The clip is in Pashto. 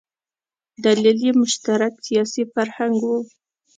دلیل یې مشترک سیاسي فرهنګ و.